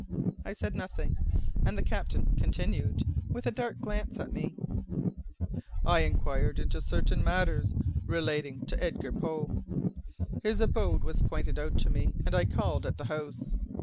I said nothing, and the captain continued, with a dark glance at me, "I inquired into certain matters relating to Edgar Poe. His abode was pointed out to me and I called at the house.